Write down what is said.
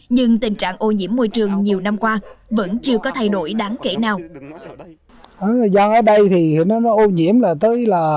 nhưng tình trạng ô nhiễm môi trường nhiều năm qua vẫn chưa có thay đổi đáng kể nào